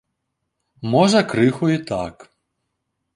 Можа крыху і так.